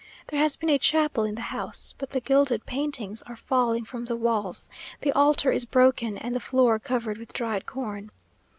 There has been a chapel in the house, but the gilded paintings are falling from the walls the altar is broken, and the floor covered with dried corn.